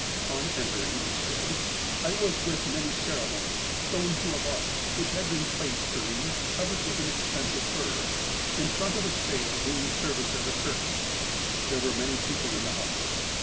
"Upon entering," he said, " I was, with many cere monies, shown to a box, which had been placed for me, covered with an expensive fur, in front of a sail doing service as a curtain. There were many people in the house.